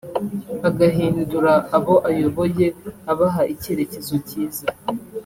agahindura abo ayoboye abaha icyerecyezo cyiza